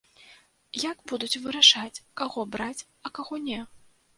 Як будуць вырашаць, каго браць, а каго не?